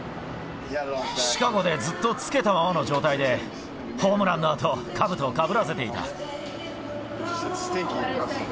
シカゴでずっとつけたままの状態で、ホームランのあと、かぶとをかぶらせていた。